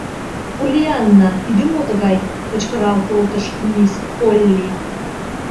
— Поллианна, тиде мо тыгай?! — кычкырал колтыш мисс Полли.